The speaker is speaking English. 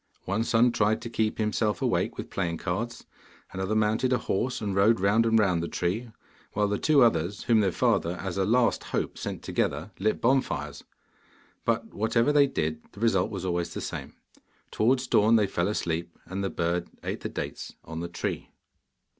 One son tried to keep himself awake with playing cards; another mounted a horse and rode round and round the tree, while the two others, whom their father as a last hope sent together, lit bonfires. But whatever they did, the result was always the same. Towards dawn they fell asleep, and the bird ate the dates on the tree.